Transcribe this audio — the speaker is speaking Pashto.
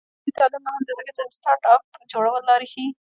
عصري تعلیم مهم دی ځکه چې د سټارټ اپ جوړولو لارې ښيي.